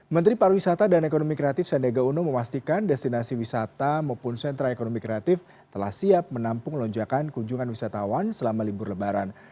menteri pariwisata dan ekonomi kreatif sandiaga uno memastikan destinasi wisata maupun sentra ekonomi kreatif telah siap menampung lonjakan kunjungan wisatawan selama libur lebaran